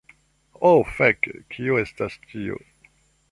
Ho fek. Kio estas tio?